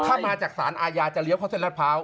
ถ้ามาจากสารอาญาจะเลี้ยวเข้าเส้นรัฐพร้าว